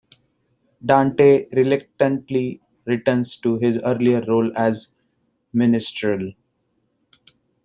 Dante reluctantly returns to his earlier role as minstrel.